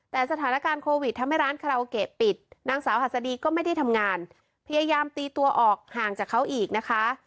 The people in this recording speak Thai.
แต่สถานการณ์โควิดทำให้ร้านคาราโอเกะปิดนางสาวหัสดีก็ไม่ได้ทำงานพยายามตีตัวออกห่างจากเขาอีกนะคะ